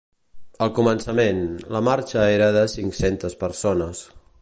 Al començament, la marxa era de cinc-centes persones.